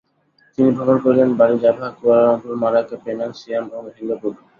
তিনি ভ্রমণ করেন Bali, Java, Kuala Lumpur, Malacca, Penang, Siam ও সিঙ্গাপুর।